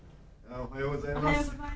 おはようございます。